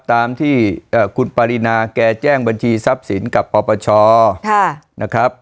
ตามที่คุณปรินาแกแจ้งบัญชีทรัพย์สินกับปปชนะครับ